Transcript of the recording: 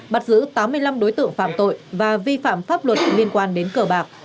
bắt giữ tám mươi năm đối tượng phạm tội và vi phạm pháp luật liên quan đến cờ bạc